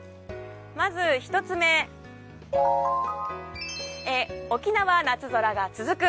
まず１つ目沖縄、夏空が続く。